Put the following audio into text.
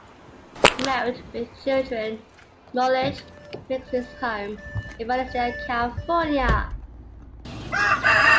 Married with children, Mullich makes his home in Valencia, California.